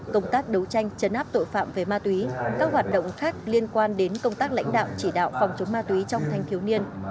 công tác đấu tranh chấn áp tội phạm về ma túy các hoạt động khác liên quan đến công tác lãnh đạo chỉ đạo phòng chống ma túy trong thanh thiếu niên